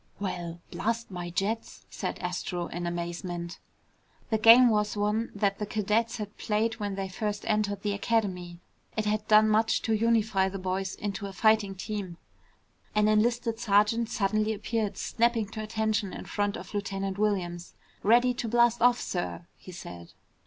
"Well, blast my jets!" said Astro in amazement. The game was one that the cadets had played when they first entered the Academy. It had done much to unify the boys into a fighting team. An enlisted sergeant suddenly appeared, snapping to attention in front of Lieutenant Williams. "Ready to blast off, sir," he said.